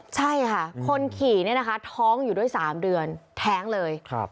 ใช่ค่ะคนขี่เนี่ยนะคะท้องอยู่ด้วย๓เดือนแท้งเลย